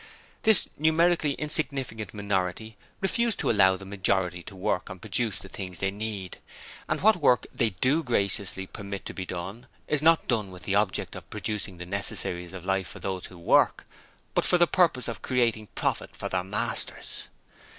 This numerically insignificant minority refused to allow the majority to work and produce the things they need; and what work they do graciously permit to be done is not done with the object of producing the necessaries of life for those who work, but for the purpose of creating profit for their masters.